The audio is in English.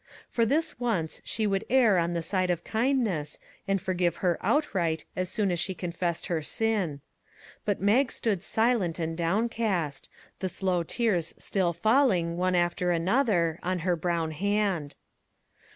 For this once she would err on the side of kindness and forgive her outright as soon as she confessed her sin. But Mag stood silent and downcast, the slow tears still falling, one after another, on her brown hand.